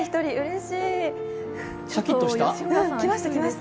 シャキッとした？